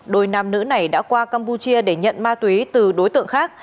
đôi nam nữ này đã qua campuchia để nhận ma túy từ đối tượng khác